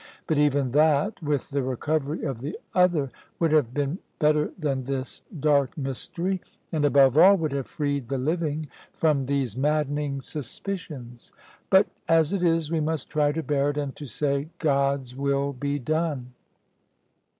But even that, with the recovery of the other, would have been better than this dark mystery, and, above all, would have freed the living from these maddening suspicions. But as it is, we must try to bear it, and to say, 'God's will be done.'